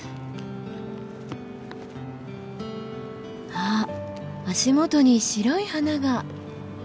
あっ足元に白い花が。